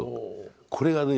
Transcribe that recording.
これがね